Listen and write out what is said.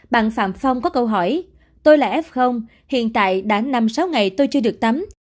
bạn phạm phong có câu hỏi tôi là f hiện tại đã năm sáu ngày tôi chưa được tắm